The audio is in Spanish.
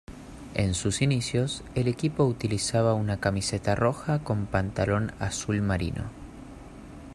En sus inicios, el equipo utilizaba una camiseta roja con pantalón azul marino.